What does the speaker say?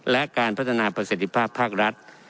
และการพัฒนาประสิทธิภาพภาครัฐ